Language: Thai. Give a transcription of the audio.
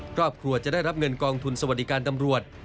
ครอบครัวจะได้รับเงินกองทุนสวัสดิการตำรวจ